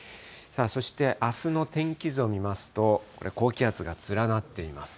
そしてあすの天気図を見ますと、これ高気圧が連なっています。